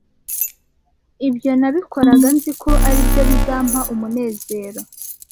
ibyo nabikoraga nziko aribyo bizampa umunezero.